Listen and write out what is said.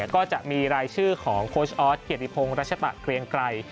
ก็จะมีรายชื่อของโค้ชออสเกียรติพงศ์รัชปะเกรียงไกร